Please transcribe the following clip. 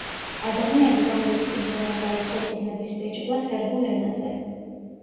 ადამიანი, რომელიც პირველმა დაიწყო წიგნების ბეჭდვა სერბულ ენაზე.